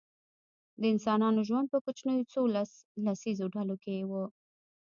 د انسانانو ژوند په کوچنیو څو لس کسیزو ډلو کې و.